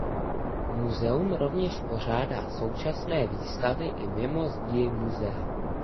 Muzeum rovněž pořádá dočasné výstavy i mimo zdi muzea.